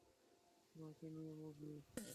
তোমাকে নিয়ে মুভি?